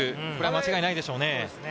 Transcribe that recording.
間違いないでしょうね。